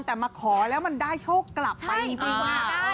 แต่มาขอแล้วมันได้โชคกลับไปจริง